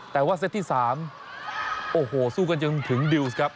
แต่ว่าเซตที่๓โอ้โหสู้กันจนถึงดิวส์ครับ